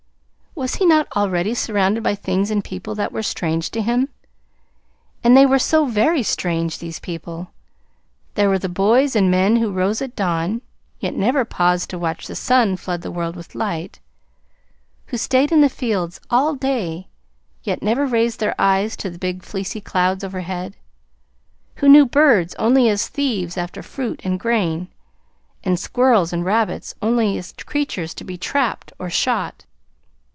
Was he not already surrounded by things and people that were strange to him? And they were so very strange these people! There were the boys and men who rose at dawn yet never paused to watch the sun flood the world with light; who stayed in the fields all day yet never raised their eyes to the big fleecy clouds overhead; who knew birds only as thieves after fruit and grain, and squirrels and rabbits only as creatures to be trapped or shot.